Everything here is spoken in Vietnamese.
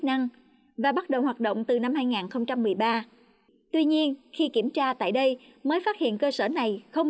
năng và bắt đầu hoạt động từ năm hai nghìn một mươi ba tuy nhiên khi kiểm tra tại đây mới phát hiện cơ sở này không